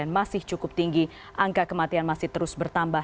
masih cukup tinggi angka kematian masih terus bertambah